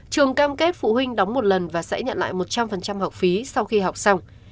trường cam kết phụ huynh đóng một lần và sẽ nhận lại một trăm linh học phí sau khi học xong